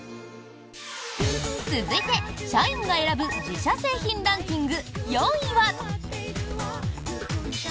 続いて社員が選ぶ自社製品ランキング４位は。